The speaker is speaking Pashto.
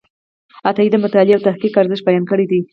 عطایي د مطالعې او تحقیق ارزښت بیان کړی دی.